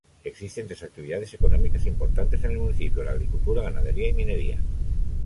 Existen tres actividades económicas importantes en el municipio: la agricultura, ganadería y minería.